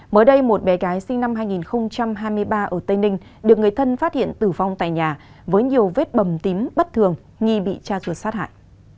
mới đây một bé gái sinh năm hai nghìn hai mươi ba ở tây ninh được người thân phát hiện tử vong tại nhà với nhiều vết bầm tím bất thường nghi bị tra trộn sát hại